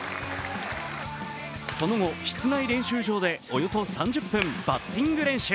その後、室内練習場でおよそ３０分、バッティング練習。